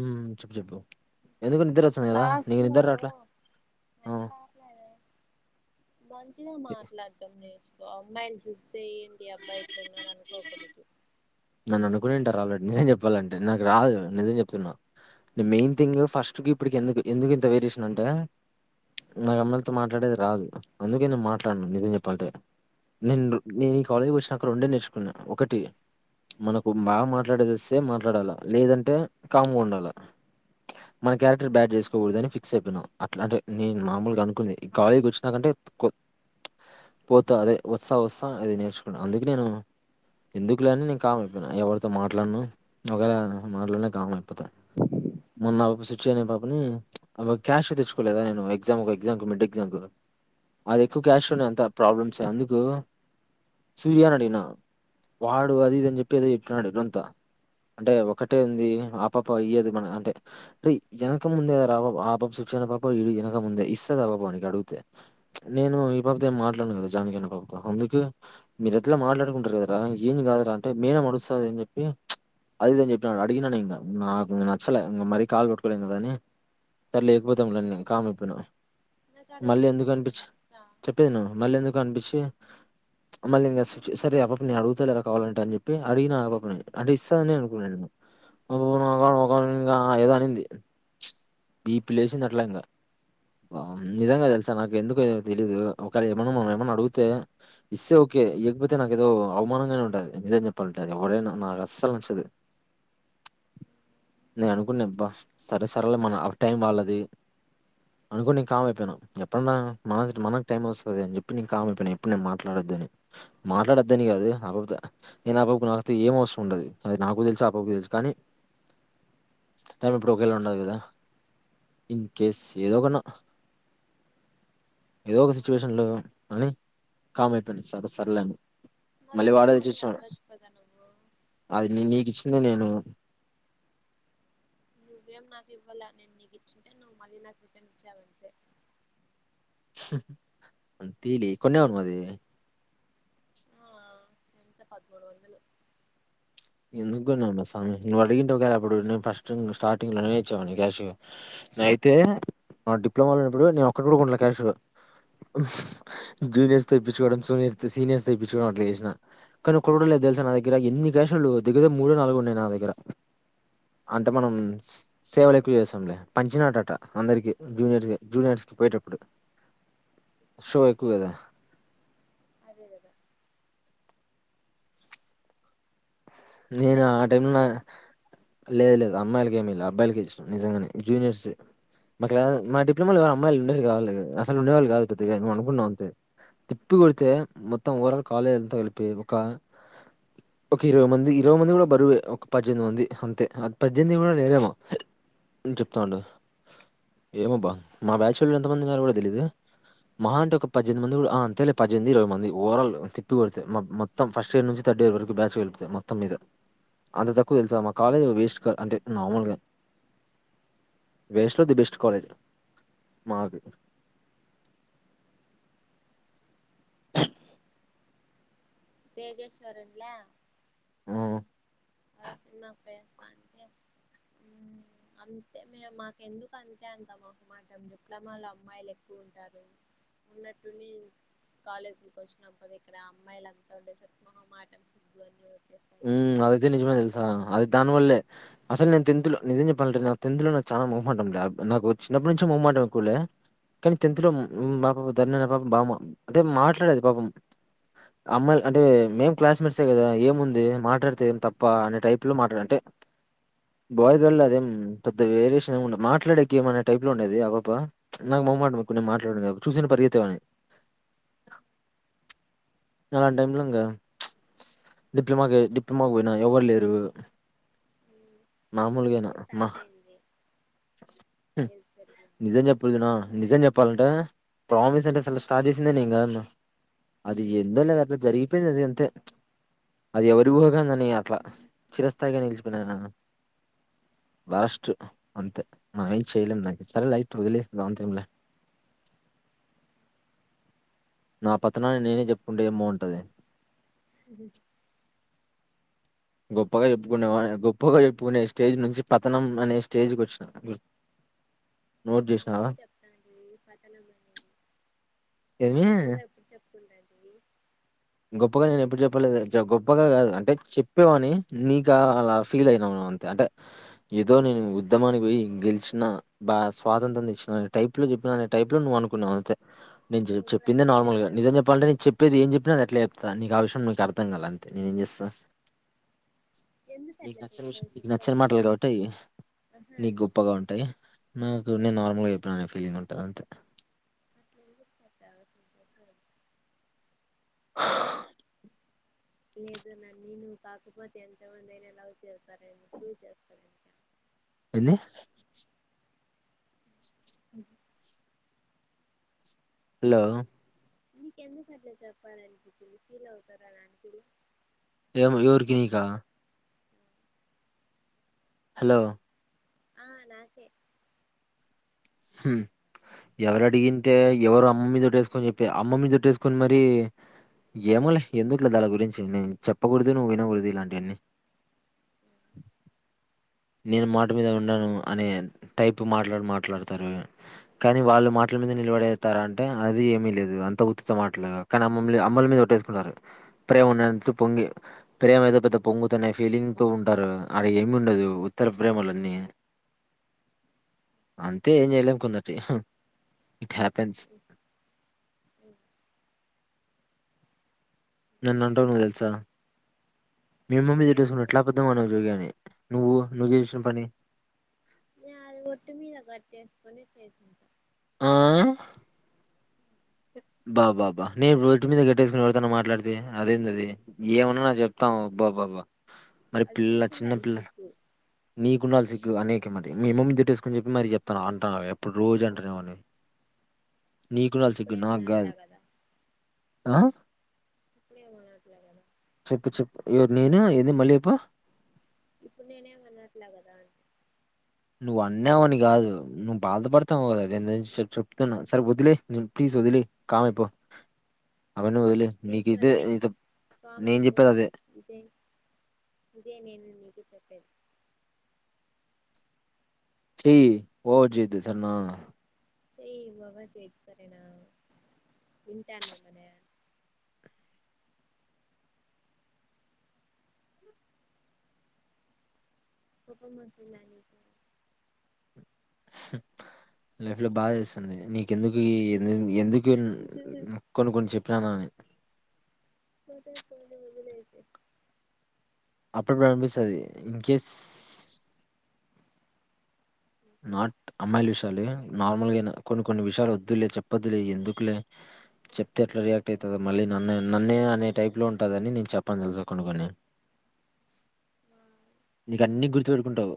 హమ్ చెప్పు చెప్పు ఎందుకు నిద్ర వచ్చంది కదా క్లాస్ నకు లో నిద్ర రాట్లా అటెండ్ అవ్వట్లేదే మంచిగా మాట్లాడటం నేను ఓ అమ్మాయిలు ప్రూఫ్ చేయ్యండి అబ్బా ఇట్లు ఉన్నాడు అనుకోకుండ నన్ను అనుకున్నింటారు ఆల్రెడీ నిజం చెప్పాలంటే నాకు రాదు కదా నిజం చెప్తున్నా అంటే మెయిన్ థింగ్ ఫస్ట్ కి ఇప్పటికి ఎందుకు ఎందుకు ఇంత వేరియేషన్ అంటే నాకు అమ్మయి లతో మాట్లాడేది రాదు అందుకే నేను మాట్లాడును నిజం చెప్పాలంటే నేను నేను ఈ కాలేజ్కి వచ్చినాక రెండే నేర్చుకున్నా ఒకటి మనకు బాగా మాట్లాడేదిస్తే మాట్లాడాలా లేదంటే కామ్గా ఉండాలా మన క్యారెక్టర్ బ్యాడ్ చేసుకోకూడదని ఫిక్స్ అయిపోయినాన అట్లా అంటే నేను మామూలుగా అనుకుంది ఈ కాలేజీకి వచ్చినాకంటే పోతా అదే వస్తా వస్తా అది నేర్చుకున్నాను అందుకే నేను ఎందుకులేని కామైపోయిన ఎవరితో మాట్లాడును ఒకవేళ మాట్లాడినా కామ అయిపోతా మొన్న ఒక సుచ్చి అనే పాపని క్యాష్ తెచ్చుకోలేదా నేను ఎగ్జామ్ ఎగ్జామ్ మిడ్ ఎగ్జామ్ అది ఎక్కువ క్యాష్ ఎంత ప్రాబ్లమ్స్ అందుకు సూర్య అని అడిగిన వాడు అది చెప్పేదో చెప్తున్నాడు ఎడంత అంటే ఒకటే ఉంది ఆ పాప అయ్యేది మన అంటేే వెనక ముందే కదా ఆ పాప చుచ్చన్న పాప ఈ వెనక ముందే ఇస్తాది ఆ పాప అనికి అడిగితే నేను ఈ పాపతో ఏ మాట్లాడను కదా జానకి అనే పాపతో అందుకు మీరు ఎట్లా మాట్లాడుకుంటారు కదా ఏమి కాదరా అంటే మేడమ్ అరుస్తుంది అని చెప్పి అది ఇది అని చెప్పినడు అడిగినాను ఇంకా నాకు నచ్చలే ఇంకా మరీ కాలు పట్టుకోలేం కదా అని సరే లేకపోతాంని నేను కామ్ అయిపోయినాను నాకు మళ్ళీ అడగండొచ్చు ఎందుకు కదా అనిపించి నేను ఇస్తా చెప్పేది విను మళ్ళీ ఎందుకు అనిపించి మళ్ళీ ఇంకా సరే ఆ పాప నేను అడుగుతా ఎలా కావాలంటే అని చెప్పి చెి అడిగిన ఆ పాప నీ అంటే ఇస్తాందిని అనుకున్నాను నేను ఒక ఇం ఏదో అనింది బిపి లేసింది అట్లా ఇంకా నిజంగా తెలుసా నాకు ఎందుకు ఏమో తెలియదు ఒకవే ఏమన్నా మన ఏమన్నా అడిగితే ఇస్తే ఓకే ఇయకపోతే నాకు ఏదో అవమానంగానే ఉంటుంది నిజం చె ప్పంట ఎవడైనా నాకు అస్సలు నచ్చదు నేను అనుకున్నబ్బ సరే సరలే మన టైం వాళ్ళది అనుకోని నేను కామ్ అయిపోయిను ఎప్పుడన్నా మన మనకు టైం వస్తుంది అని చెప్పి నేను కామ్ అయిపోయినాను ఎప్పుడు నేను మాట్లాడొద్దని మాట్లాడొద్దని కాదు కపోతే నేను నా ఆ పాప నాకు ఏం అవసరం ఉండదు అది నాకు తెలుసు ఆ పాప కు తెలుసు కానీ టైమ్ ఇప్పుడు ఒకేళ ఉండదు కదా ఇన్కేస్ ఏదో ఒకన్నా ఏదో ఒక అడుగు సిచ్యువేషన్ లో కాని కామ్ అయిపోయింది సార్ సర్లేని నా మళ్ళీ దగ్గర వాడే ఉంది తెచ్చిచ్చినాడు అడగచ్చు కదా నువ్వు అది నీకిచింది నేను నువ్వేం నాకు ఇవ్వాల నేను నీకు ఇచ్చింటే నువ్వు మళ్ళీ నాకు రిటర్న్ ఇచ్చావంతే తలి కొ అను మాది ఆ ఎంత పదమూడు వందలు ఎందుకున్నా ఉన్నా స్వామి నువ్వు అడిగింటే ఒకేళ అప్పుడు నేను ఫస్ట్ స్టార్టింగ్ లోనే ఇచ్చావాని క్యాష్ అయితే నా డిప్లమా లో ఉప్పుడు నేను ఒ కూడా క్యాష్ జూనియర్స్ తో ఇప్పించుకోవడం సూనియర్ సీనియర్స్ తో ఇప్పించుకోవడం అట్లా చేసినా కానీ ఒక కూడా లేదు తెలుసా నా దగ్గర ఎన్ని క్యాషులు దగ్గరదగ్గర మూడుో నాలుగు ఉన్నాయి నా దగ్గర అంటే మనం సేవలు ఎక్కువ చేస్తాంలే పంచినట్టట అందరికి జూనియర్స్ జూనియర్స్ కి పోయేటప్పుడు షో ఎక్కువ కదా అదే గద నేను అమ్మాయిలు ఆ టైమ్ కూర్చుంటావు కదా లేదు అమ్మాయిలకేం ఇలే అబ్బయిలకే ఇచ్చిన నిజంగానే జూనియర్స్ మాకు మా డిప్లొమాలో అమ్మాయిలు ఉండే కా అసలు ఉండేవాళ్ళు కాదుద్దగా మే అనుకున్నాం అంతే తిప్పికొడితే మొత్తం ఓవరాల్ కాలేజీ అంత కలిపి ఒక ఒక ఇరవై మంది ఇరవై మంది కూడా బరువే ఒక పద్దెనిమిది మంది అంతే అ పద్దెనిమిది కూడా లేరేమా చెప్తా ఉండు ఏమో బా మా బ్యాచ్ వాళ్ళు ఎంతమంది మ కూడా తెలిదు మాహ అంటే ఒక పద్దెనిమిది మంది కూడా ఆ అంతేలే పద్దెనిమిది ఇరవై మంది ఓవరాల్ తిప్పిక కొడితే మొత్తం ఫస్ట్ ఇయర్ నుంచి థర్డ్ ఇయర్ వరకు బ్యాచ్ త మొత్తం మీద అంత తక్కువ తెలుసా మా కాలేజ్ వేస్ట్ అంటే నార్మల్గా వేస్ట్ లో ది బెస్ట్ కాలేజ మా [inaudible] తేజేశ్వర్ ఉన్లే ఆ [unintelligible] అ అంతే మే మాకు ఎందుకు అంతే అంత మొహమాటం డిప్లొమా లో అమ్మాయిలు ఎక్కుకివ ఉంటారు ఉన్నట్టుండి కాలేజీకి వచ్చినాం కదా ఇక్కడ అమ్మాయిలు అంతా ఉండే మొహమాటం సిగ్గు అని ఏ అద అది నిజమే తెలుసా అది దాని వల్లే అస నే టెన్త్ లో నిజం చెప్పాలంటే నా టెన్త్ లో నాకు చాల నాకు చిన్నప్పటి నుంచే మొహమాటం కానీ టెన్త్ లో ధరణి అనే పాప అంటే మాట్లాడేది పాప అమ్మాయి అంటే మేం క్లాస్ మేట్సే కదా ఏ మాట్లాడితే ఏం తప్ప అనే టైప్ లో మాట్లాడ అంటే బాయ్ గర్ల్ లో అదేం పెద్ద వేరియేషన్ ఏం ఉండదు మాట్లాడేక ఏమనే టైప్ లో ఉండేది ఆ పాప్ప నాకు బ కొం మాట్లాడ చూసిన పరుగెత్తే వాన్ని అలా టైంలో ఇంకా డిప్లొమాకి డిప్లొమాకి పోయినా ఎవరు లేరు ఉమ్, అప్పటి మామూలుగాయినా నుంచి మా స్టార్ట్ అయింది ఏజ్ పెరిగింది నిజం చెప్పదు నా నిజం చెప్పాలంటే ప్రామిస్ అంటే అసల స్టార్ట్ చేసిందే నేను కాదు ఆ ఎందో లేద అట్లా జరిగిపోయింది అది అంతే అది ఎవరి ఊహ కి అందని అట్లా చిరస్థాయిగా నిలిచిపోయిన వరస్ట్ అంతే మనం ఏం చెయలేం నాా సరే లైట్ వదిలేంతేం లే నా పతనాన్ని నేనే చె ఉంటే ఏం బావుంటాది గొప్పగా చెప్పుకునే వాన్ గొప్పగా చెప్పుకునే స్టేజ్ నుంచి పతనం అనే స్టేజ్కి వచ్చిన నోట్ చేసినావా ఎప్పుడు చెప్తాంది పతనం అనేది ఏమి గొప్పగా ఎప్పుడు చెప్పుకుంటాది. గొప్పగా నేను ఎప్పుడు చెప్పలేదు ఛ గొప్పగా కాదు అంటే చెప్ చెప్పేవాని నీకా అలా ఫీల్ అయ్నావ్ అంతే అంటే ఏదో నేను ఉద్దమానికి పోయి గెలిచినా, బా స్వాతంత్రం తేచ్చినావ్ అనే టైప్ లో చెప్పినానే టైప్ లో నువ్వు అనుకున్నావు అంతే. నేన్ జేపి నువ్వు కూడా చెప్పిందే అట్లే నార్మల్ గా చెప్పావు నిజం చెప్పాలంటే నేను చెప్పేది ఏం చెప్పిన అది అ అట్లే చెప్తా నీకు ఆ విషయం నిక్ అర్థం కాల అంతే నేనే ఏం చేస్తా ఎందుకు నీకు అట్లా నచ్చిన విషయం చెప్పావు నీకు చెప్పు నచ్చిన మాటలు అసలు కాబట్టి ఆహా నీకు గొప్పగా ఉంటాయి నాకు నేను మళ్ళ చెప్పిన అనే ఫీలింగ్ ఉంటాద్ అంతే అట్ల ఎందుకు చెప్పావ్ చెప్పు లేదనండి నువు కాకపోతే ఎంతమంది అయినా లవ్ చేస్తార ఫూ్ చేస్తారు ఇం ఎన్ని అ హలో నీకెందుకు అట్లే చెప్పాలనిపించి ఫీల్ అవుతారా నాకుడు ఏం ఎవరికి నీకా హలో ఆ నాకే హ్మ్ ఎవరు అడిగింటే ఎవరు అమ్మమ్ మీద తట్టేసుకొని చెప్పి అమ్మమ్ మీద తట్టేసుకొని మరి ఏమోలే ఎందులే దాళ గురించి నేను చెప్పకూడదు నువ్వు వినకూడదు ఇలాంటివన్నీ నేను మాట థ్యాంక్స్ మీద ఉంను ఆపినందుకు అనే టైప్ మాట్లాడ మాట ట్లా తారు కానీ వాళ్ళు మాటల మీద నిలబడేస్తారు అంటే అది ఏమీ లేదు అంత ఉత్తుత్త మాటలుగా కానీ అమ్మల్ అమ్మల మీద కొట్టేసుకుంటారు ప్రేమ ఉన్నే పొంగి ప్రేమ ఏదో పెద్ద పొంగుతనే ఫీలింగ్తో ఉంటారు ఆడేం ఉండదు ఉత్తర ప్రేమల అని అ తే ఏం చేయలేం కొందర్ టి ఇట్ హపెన్స్ నన్ను అంటున్నావ్ తెలుసా మే మమ్మ మీద ఒట్టు ఇంకేం వేసుకొని ఎట్లా లేదు అబద్ధం ఆడినవ్ చొగాని నువ్వు నువ్వు జేసిన్ పని నే అది ఒట్టు మీద గట్టు వేసుకొని చేసిన్ ఆహ్ బా బా బ నేను ఒట్టు మీద గట్టేసుకుని ఎవరితోనా మాట్లాడితే అదేందది ఏమ న చెప్తాం అది బబ్బబ్బ మరి అది పిల్ల చిన్న నీకుండాలి పిల్ల సిగ్గు నీకు ఉండాలి సిగ్గు అనేకి మరి మీ అమ్మ మీద ఒట్టేసు కొని చెప్పి మరి చెప్తనావ్ అంటానవే, ఎప్పుడు రోజు అంటానేవని. నీకుండాలి సిగ్గు ఇప్పుడేమనట్లా నాక్గాదు కదా ఆ ఇప్పుడే మాట్లాగదా చెప్పు చెప్పు ఎవరు నేనా ఏంది మళ్లీ యెప్పు ఇప్పుడు నేనేమనట్లా కదా అంటి నువ్వు అన్నావని కాదు నువ్వు బాధపడతావు దాని గురించి చెప్తున్నావు సరే వదిలి ప్లీజ్ వదిలి కామైపో ప్లీజ్ వదిలెయి నేను కామైపో చెప్పేది అదే ఇదే ఇదే నేను నీకు చెప్పేది. సి ఓవర్ చేయదు సర్నా చెయి ఓవర్ చేయదు సరేనా ఉంటన్న మరే కోపం వస్తుందా నీకు లైఫ్లో బాదేస్తుంది. నీక్ ఎందుకు ఎందుకు కొన్ని కొన్ని చె ప్రాణాన్ని పోతే పోనీ వదిలేసేయ్ అప్పుడు ప్రారంభిస్తది ఇంకేస్ ఓకే నాట్ అమ్మాయిల విషయాలే నార్మల్గా అయినా కొన్ని కొన్ని విషయాలు వద్దులే చెప్పొద్దులే ఎందుకులే చెప్తే ఎట్లా రియాక్ట్ అయితదో మళ్ళీ నన్నే నన్నే అనే టైప్లో ఉంటందని నేను చెప్పను తెలుసా కొన్ని కొన్ని నీకన్ని గుర్తుపెట్టుకుంటావు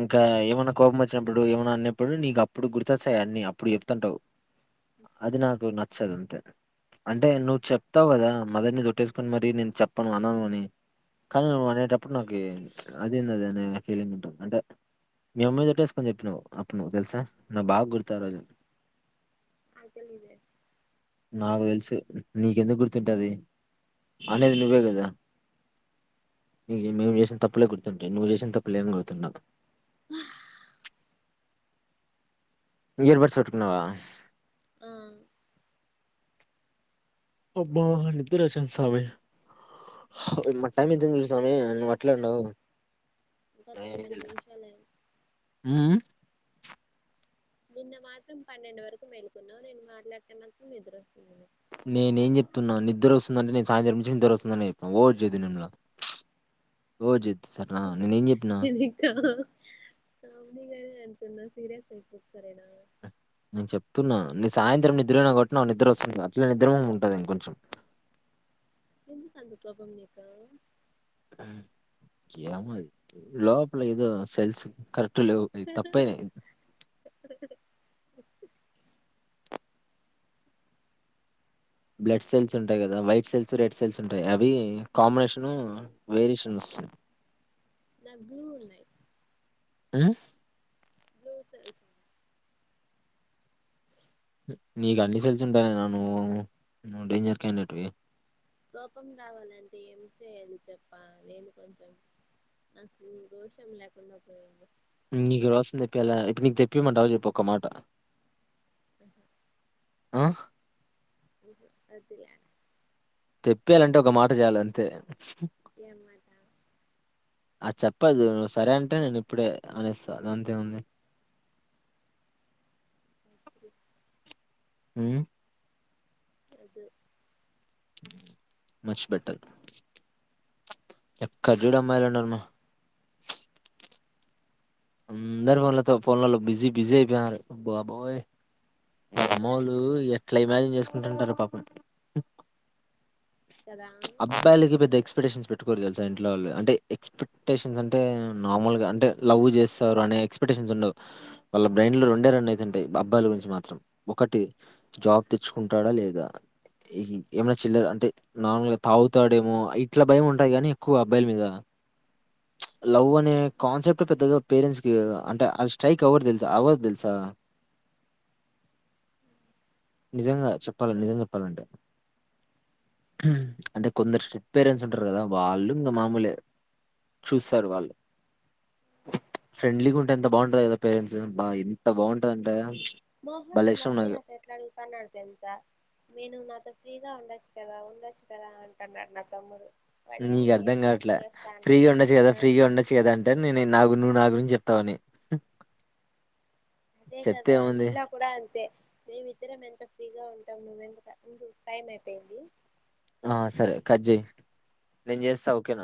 ఇంకా ఏమన్ కోపం వచ్చినప్పుడు ఏమన్నా అన్నప్పుడు నీకు అప్పుడు గుర్తొస్తాయి అన్ని అప్పుడు చెప్తుంటావు అది నాకు న చ్చదంతే అంటే నువ్వు చెప్తావు కదా మదర్ మీద ఒట్టేసుకొని మరి నేను చెప్పను అనను అని కానీ నువ్వు అనేటప్ ప్పుడు నాకీ అదేంది అదనే ఫీలింగుంటద్ అంటే మీ అమ్మ మీద ఒట్టేసుకొని చెప్పినవు అప్పుడు ను తెలుసా నాక్ బాగా గుర్తు ఆ రోజు అయితే లేదే నాకు తెలుసు నీకెందుకు గుర్తుంటది అనేది నువ్వే కదా నీ మేము చేసిన తప్పలే గుర్తుంటయి నువ్వు చేసిన తప్పులేం గుర్తుండవ్ ఆ ఇయర్ బడ్స్ పెట్టుకున్నావా ఆ అబ్బా నిద్ర వస్తుంది సామి టైమ్ ఎంత అయితందో చూడు సామి ఇంకొకటి ను చేస్తా అట్లనే ఉన్నావ్ ఇంకా తొమ్మిది నిమిషాలయింది నిన్న మాత్రం పన్నెండు వరకు మెలుకున్నావు నేను మాట్లాడితే మాత్రం నిద్రొస్తుంది. నేనేం చెప్తున్నాను నిద్ద్ర వస్తుందంటే నేను సాయంత్రం నుంచి నిద్ద్ర వస్తుందని చెప్పాను ఓవర్ చేయదు నిమ్లా ఓవర్ చేయొద్దు సరేనా నేనేం చెప్పినా నేనింకా కామెడీ గానే అంటున్నా సీరె సరేనా నేను చెప్తున్నా నీ సాయంత్రం నిద్ర అయినా కాబిట్టి నిద్ర వస్తుంది అట్లే నిద్ర మొహం ఉంటడి ఇంకొంచం ఎందుకంత కోపం నీకూ ఏమ లోపుల ఏదో సెల్స్ కరెక్ లేవు అయి తప్పయినయి బ్లడ్ సెల్స్ ఉంటాయి కదా వైట్ సెల్స్, రెడ్ సెల్స్ ఉంటాయి అవి కాంబినేషను వేరియేషన్ వస్తుయి నాక్ బ్లూ ఉన్నాయి మ్ బ్లూ సెల్స్ నీక్ అన్ని సెల్స్ ఉంటాయి. అయినా నూ డేంజర్ కాండిడేట్వీ కోపం రావాలంటే ఏం చేయాలి చెప్ప నేను కొంచెం నాకు రోషన్ లేకుండా పోయాడు నీకు రోషం తెప్పియాలా ఇప్పుడు నీకు తెప్పిమంటవ చెప్పు ఒక్క మాట [inaudible] ఆ హ అద్దులే తెప్పేయాలంటే ఒక మాట చాలు అంతే ఏమదా ఆ చెప్పదు్ సరే అంటే నేను ఇప్పుడే అనేస్తా అంతేముంది వద్దు హ్మ్మ్ అది మచ్బెట్టర్ ఎక్కడ చూడు అమ్మాయిాలన్నారుారమ్మా అందరు ఫోన్ల ఫోన్లలో బిజీ బిజిబ అయిపోయినారు బాబోయ్ నువ్వు కూడా మామోలు అంతే కదా ఎట్లా ఇమాజిన్ చేసుకు ఉంటారు పాప కదా అబ్బాయిలకి పెద్ద ఎక్స్పెక్టేషన్స్ పెట్ట తెలుా ఇంట్లో వాళ్ళు అంట ఎస్పెక్టేషన్స్ అంటే నార్మల్గా అంటే లవ్ చేస్తే అనే ఎక్స్పెక్టేషన్స్ ఉండవు వాళ్ళ బ్రైండ్ లో రెండే రన్ అవుతుంటాయి అబ్బాయిల గురించి మాత్రం ఒకటి జాబ్ తెచ్చుకుంటాడా లేదా ఏమనా చిల్ల అంటే నార్మల్ గా తాగుతాడేమో ఇట్లా భయం ఉంటాది కానీ ఎక్కువ అబ్బాయిల మీద లవ్ అనే కాన్సెప్ట్ పెద్దగా పేరెంట్స్ క అంటే అది స్ట్రైక్ ఎవర్ తెలుసా అవర్ తెలుసా నిజంగా చెప్పాల నిజంగా చెప్పాలంటే అంటే కొందరు స్టెట్ పేరెంట్స్ ఉంటారు కదా వాళ్ళు ఇంకా మామూలు చూస్తారు వాళ్ళు ఫ్రెండ్లీగా ఉంటే ఎంత బాగుంటది కదా పేరెంట్స్ బా ఎంత బాగుంటదింటే మోహని ఈ మాధ్య నన్ను ఎట్లాడుతున్నారు తెలుసా నేను నాతో ఫ్రీగా ఉండొచ్చు కదా ఉండొచ్చు కదా అంటున్నాడు నా తమ్ముడు వాడేమో నీకు అర్థం ఎక్స్పెక్ట్ కావట్లే చేస్తా ఫ్రీగా అన్నాడు ఉండొచ్చు కదా ఆ ఫ్రీగా ఉండచ్చు కదా అంటే నేను నాకు నువ్వు నా గురించి చెప్తామని అదే కదా నీలా కూడా అంతే మేమి ఇద్దరం ఎంత ఫ్రీగా ఉంటాం నువవుెంత టైం అయిపోయింది ఆ సరే కట్ చేయి నేను చేస్తా ఓకేనా